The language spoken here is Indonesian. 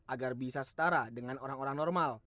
agar bisa setara dengan orang orang normal